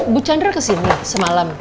bu chandra kesini semalam